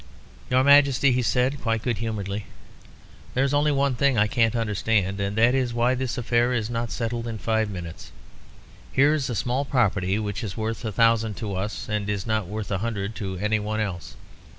"Your Majesty," he said, quite good humouredly, "there is only one thing I can't understand, and that is why this affair is not settled in five minutes. Here's a small property which is worth a thousand to us and is not worth a hundred to any one else.